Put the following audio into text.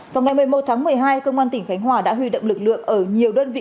vào ngày một mươi một tháng một mươi hai công an tỉnh khánh hòa đã huy động lực lượng ở nhiều đơn vị